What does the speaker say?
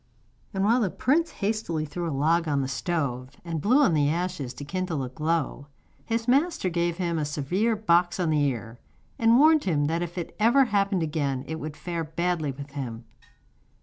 And while the prince hastily threw a log on the stove and blew on the ashes to kindle a glow, his master gave him a severe box on the ear, and warned him that if ever it happened again it would fare badly with him.